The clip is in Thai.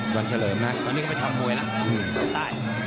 วันนี้ก็ไปทำมวยนะ